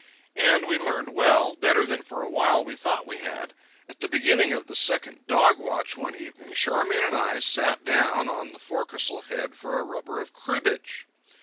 And we learned well, better than for a while we thought we had. At the beginning of the second dog watch one evening, Charmian and I sat down on the forecastle head for a rubber of cribbage.